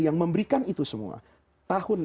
yang memberikan itu semua tahun